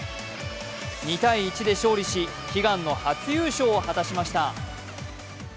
２−１で勝利し、悲願の初優勝を果たしました。